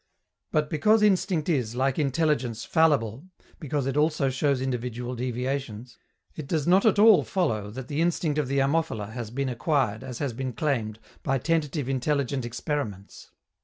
But, because instinct is, like intelligence, fallible, because it also shows individual deviations, it does not at all follow that the instinct of the Ammophila has been acquired, as has been claimed, by tentative intelligent experiments.